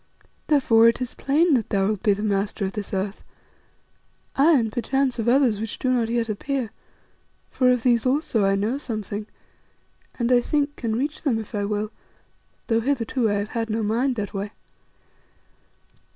Therefore it is plain that thou wilt be the master of this earth, aye, and perchance of others which do not yet appear, for of these also I know something, and, I think, can reach them if I will, though hitherto I have had no mind that way.